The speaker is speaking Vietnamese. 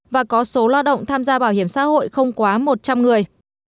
và có số lo động tham gia bảo hiểm xã hội không quá một trăm linh người